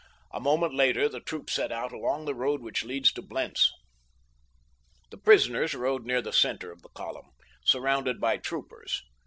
A moment later the troop set out along the road which leads to Blentz. The prisoners rode near the center of the column, surrounded by troopers.